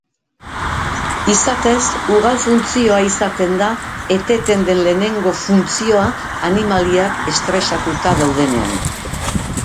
Izatez, ugal funtzioa izaten da eteten den lehenengo funtzioa animaliak estresatuta daudenean.